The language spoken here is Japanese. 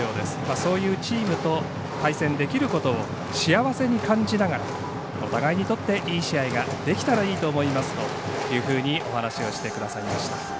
そういうチームと対戦できることを幸せに感じながらお互いにとっていい試合ができたらいいと思いますというふうにお話をしてくださいました。